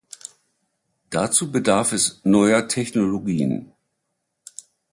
Dazu bedarf es neuer Technologien.